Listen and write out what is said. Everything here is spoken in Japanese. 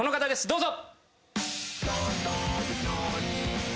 どうぞ！